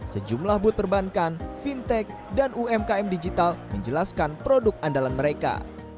sejumlah booth perbankan fintech dan umkm digital menjelaskan produk andalan mereka